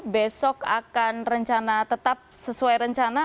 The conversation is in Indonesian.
besok akan rencana tetap sesuai rencana